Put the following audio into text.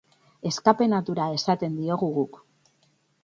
Escape-natura esaten diogu guk.